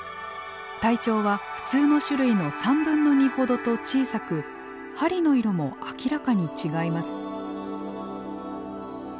体長は普通の種類の３分の２ほどと小さく針の色も明らかに違います。